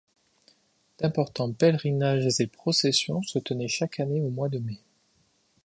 D'importants pèlerinages et processions se tenaient chaque année au mois de mai.